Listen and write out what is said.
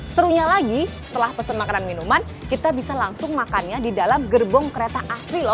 serunya lagi setelah pesen makanan minuman kita bisa langsung makannya di dalam gerbong kereta asli loh